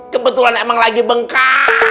kebetulan emang lagi bengkak